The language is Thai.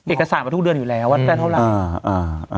เอกสารมาทุกเดือนอยู่แล้วว่าจะเท่าไหร่